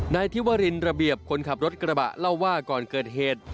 นายธิวรินระเบียบคนขับรถกระบะเล่าว่าก่อนเกิดเหตุ